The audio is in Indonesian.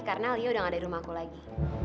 karena lia udah gak ada di rumahku lagi